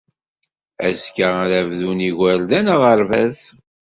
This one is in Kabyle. Azekka ara bdun yigerdan aɣerbaz.